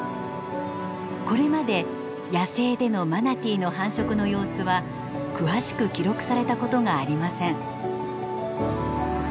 これまで野生でのマナティーの繁殖の様子は詳しく記録されたことがありません。